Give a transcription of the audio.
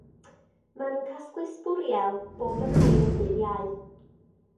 Maen nhw'n casglu sbwriel bob yn ail ddydd Iau.